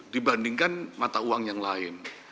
dibandingkan mata uang yang lain